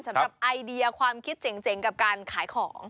ไอเดียความคิดเจ๋งกับการขายของ